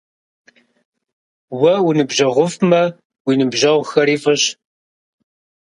Уэ уныбжьэгъуфӀмэ, уи ныбжьэгъухэри фӀыщ.